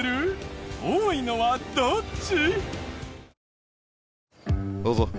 多いのはどっち？